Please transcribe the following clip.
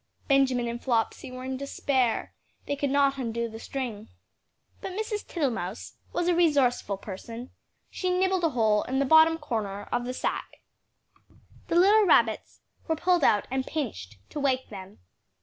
Benjamin and Flopsy were in despair, they could not undo the string. But Mrs. Tittlemouse was a resourceful person. She nibbled a hole in the bottom corner of the sack. The little rabbits were pulled out and pinched to wake them.